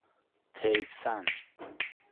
طیف سنج